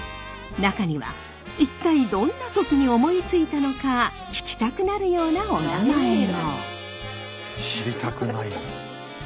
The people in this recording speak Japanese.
中には一体どんな時に思いついたのか聞きたくなるようなおなまえも。